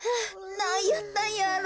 なんやったんやろ？